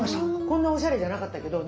こんなおしゃれじゃなかったけど。